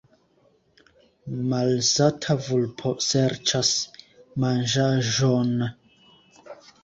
Malsata vulpo serĉas manĝaĵon.